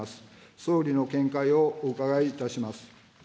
総理の見解をお伺いいたします。